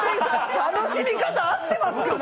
楽しみ方、合ってますかね。